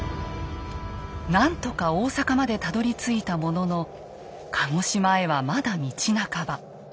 何とか大坂までたどりついたものの鹿児島へはまだ道半ば。